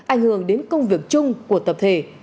ảnh hưởng đến công việc chung của tập thể